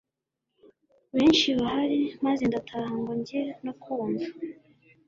benshi bahari maze ndataha ngo njye no kumva